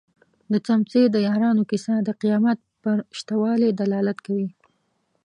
د څمڅې د یارانو کيسه د قيامت پر شته والي دلالت کوي.